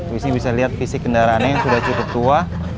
di sini bisa dilihat fisik kendaraannya sudah cukup tua